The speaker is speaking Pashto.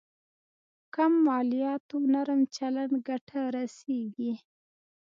کم مالياتو نرم چلند ګټه رسېږي.